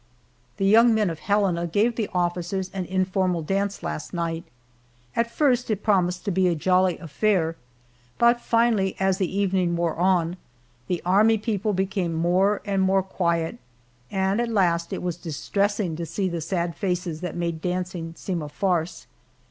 The young men of Helena gave the officers an informal dance last night. At first it promised to be a jolly affair, but finally, as the evening wore on, the army people became more and more quiet, and at the last it was distressing to see the sad faces that made dancing seem a farce.